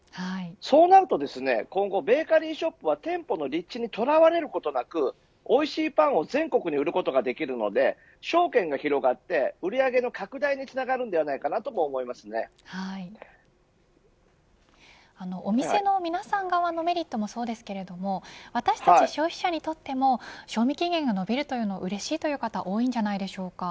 そうなると今後ベーカリーショップは店舗の立地に捉われることなくおいしいパンを全国に売ることができるので商圏が広がって、売り上げの拡大につながるんじゃないかとお店の皆さん側のメリットもそうですが私たち消費者にとっても賞味期限がのびるのはうれしいという方